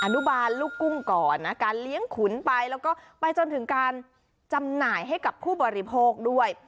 นุบาลลูกกุ้งก่อนนะการเลี้ยงขุนไปแล้วก็ไปจนถึงการจำหน่ายให้กับผู้บริโภคด้วย